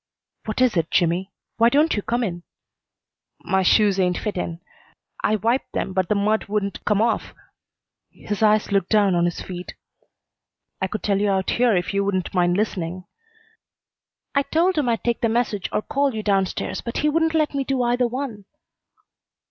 "What is it, Jimmy? Why don't you come in?" "My shoes ain't fitten. I wiped them, but the mud wouldn't come off." His eyes looked down on his feet. "I could tell you out here if you wouldn't mind listening." "I told him I'd take the message or call you down stairs, but he wouldn't let me do either one."